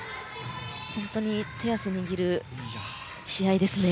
本当に手汗握る試合ですね。